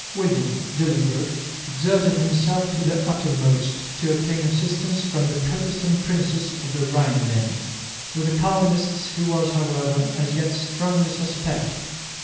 William at Dillenburg exerted himself to the uttermost to obtain assistance from the Protestant princes of the Rhineland. With the Calvinists he was, however, as yet strongly suspect.